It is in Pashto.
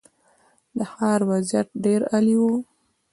د ښار وضعیت ډېر عالي و.